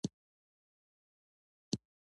زه د آرامه ځایونو پلوی یم.